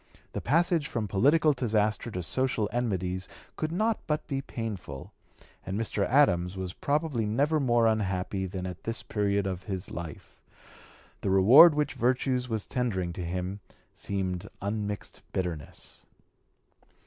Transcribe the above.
The passage from political disaster to social enmities could not but be painful; and Mr. Adams was probably never more unhappy than at this period of his life. The reward which virtue was tendering to him seemed unmixed bitterness.